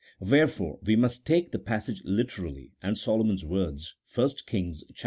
Wherefore, we must take the passage literally, and Solomon's words (1 Kings viii.